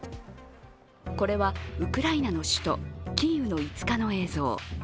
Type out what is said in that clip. これはウクライナの首都キーウの５日の映像。